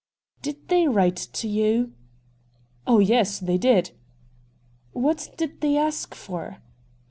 '' Did they write to you ?'* Oh yes, they did.' ' What did they ask for